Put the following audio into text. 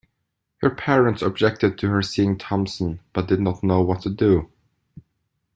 Her parents objected to her seeing Thompson but did not know what to do.